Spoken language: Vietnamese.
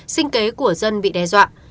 sinh kế của dân bị đe dọa